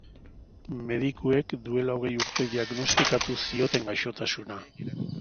Medikuek duela hogei urte diagnostikatu zioten gaixotasuna.